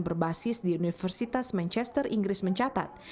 berbasis di universitas manchester inggris mencatat